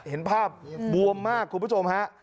เห็นภาพบวมมากคุณผู้ชมฮะ